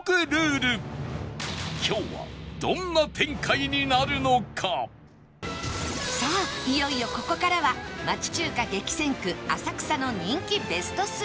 今日はさあいよいよここからは町中華激戦区浅草の人気ベスト３へ